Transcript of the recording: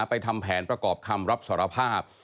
ทำแผนประกอบคำรับสารภาพ